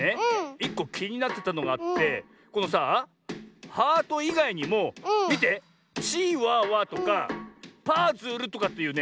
１こきになってたのがあってこのさあ「ハート」いがいにもみて「チワワ」とか「パズル」とかっていうね